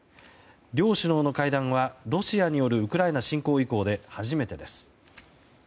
両首脳の会談はロシアによるウクライナ侵攻以降で初めてです。